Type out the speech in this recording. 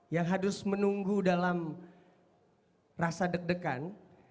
yang harus menunggu dalam rasa deg degan